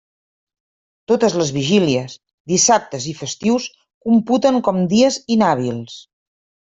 Totes les vigílies, dissabtes i festius computen com dies inhàbils.